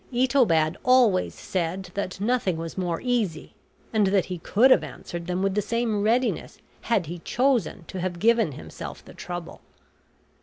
Itobad always said that nothing was more easy, and that he could have answered them with the same readiness had he chosen to have given himself the trouble.